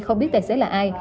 không biết tài xế là ai